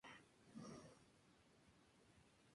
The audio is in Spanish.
Fue un destacado escritor y orador de su tiempo.